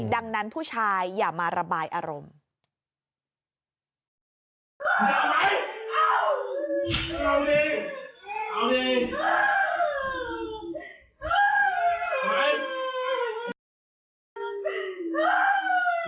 ดังนั้นผู้ชายอย่ามาระบายอารมณ์